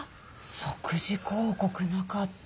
即時抗告なかった。